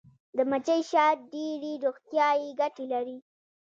د مچۍ شات ډیرې روغتیایي ګټې لري